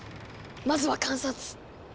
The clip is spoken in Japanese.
まずは観察！